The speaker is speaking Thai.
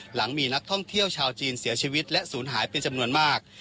หลังมีนักท่องเที่ยวชาวจีนเสียชีวิตและศูนย์หายเป็นจำนวนมาก